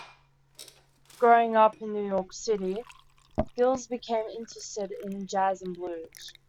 Growing up in New York City, Geils became interested in jazz and blues.